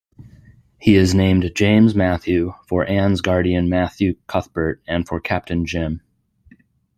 He is named James Matthew, for Anne's guardian Matthew Cuthbert and for Captain Jim.